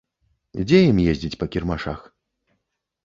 Дзе з ім ездзіць па кірмашах.